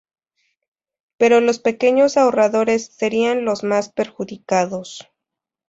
Pero los pequeños ahorradores serían los más perjudicados.